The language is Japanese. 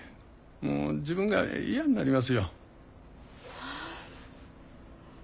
もう自分が嫌になりますよ。